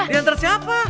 dia nanti siapa